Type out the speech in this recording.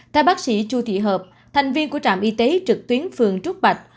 theo bác sĩ chu thị hợp thành viên của trạm y tế trực tuyến phường trúc bạch